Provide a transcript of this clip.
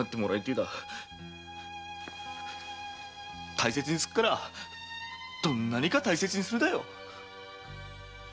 大切にすっからどんなにか大切にするだよ。